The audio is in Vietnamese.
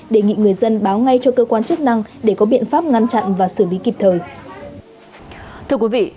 đề nghị người dân báo ngay cho cơ quan chức năng để có biện pháp ngăn chặn và xử lý kịp thời